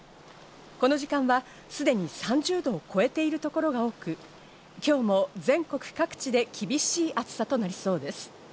この時間は、すでに３０度を超えているところが多く、今日も全国各地で厳しい暑さとなりそうです。